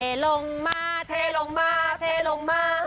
ลงมาเทลงมาเทลงมา